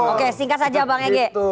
oke singkat saja bang ege